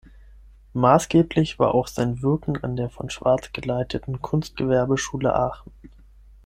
Maßgeblich war auch sein Wirken an der von Schwarz geleiteten Kunstgewerbeschule Aachen.